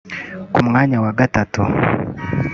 Ku mwanya wa gatatu